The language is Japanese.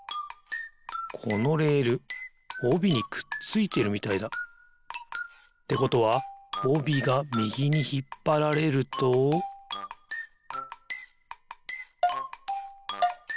このレールおびにくっついてるみたいだ。ってことはおびがみぎにひっぱられるとピッ！